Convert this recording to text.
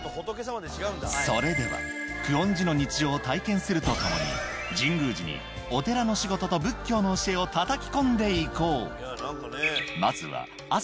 それでは、久遠寺の日常を体験するとともに、神宮寺にお寺の仕事と仏教の教えをたたき込んでいこう。